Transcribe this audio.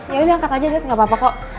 ya udah angkat aja dad nggak apa apa kok